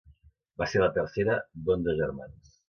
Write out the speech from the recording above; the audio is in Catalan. Va ser la tercera d'onze germans.